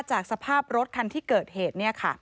จากสภาพรถคันที่เกิดเหตุ